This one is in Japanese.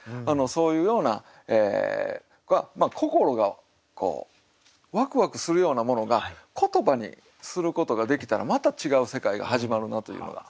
そういうような心がこうワクワクするようなものが言葉にすることができたらまた違う世界が始まるなというのが。